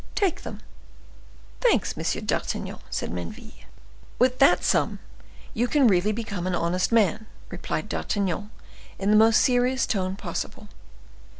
Take them." "Thanks, Monsieur d'Artagnan," said Menneville. "With that sum you can really become an honest man," replied D'Artagnan, in the most serious tone possible.